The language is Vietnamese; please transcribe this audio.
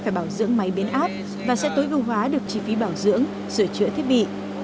phải bảo dưỡng máy biến áp và sẽ tối ưu hóa được chi phí bảo dưỡng sửa chữa thiết bị